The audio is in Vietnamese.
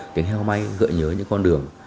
tiếng heo may gợi nhớ những con đường